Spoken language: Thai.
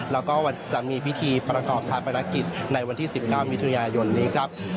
แล้วก็จะมีพิธีประกอบชาปนกิจในวันที่๑๙มิถุนายนนี้ครับ